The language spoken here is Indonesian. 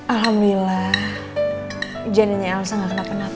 alhamdulillah janinnya elsa gak kena penapa